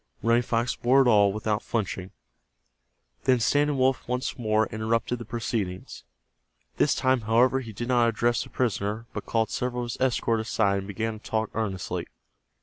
Running Fox bore it all without flinching. Then Standing Wolf once more interrupted the proceedings. This time, however, he did not address the prisoner, but called several of his escort aside and began to talk earnestly.